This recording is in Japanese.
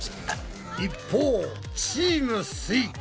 一方チームすイ。